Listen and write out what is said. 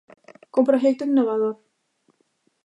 Cun proxecto innovador.